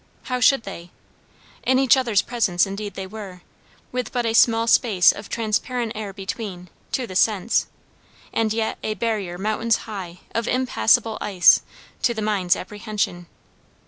How should they? in each other's presence indeed they were, with but a small space of transparent air between, to the sense; and yet, a barrier mountains high, of impassible ice, to the mind's apprehension.